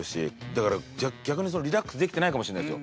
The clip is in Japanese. だから逆にリラックスできてないかもしれないですよ。